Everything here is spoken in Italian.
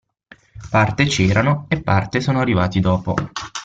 Parte c'erano e parte sono arrivati dopo.